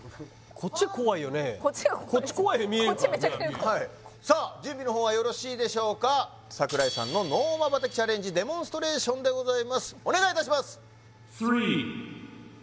こっちめちゃくちゃに怖いさあ準備の方はよろしいでしょうか櫻井さんのＮＯまばたきチャレンジデモンストレーションでございますお願いいたします